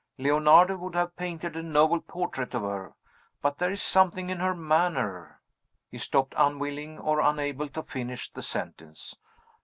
Leonardo would have painted a noble portrait of her. But there is something in her manner " He stopped, unwilling or unable to finish the sentence.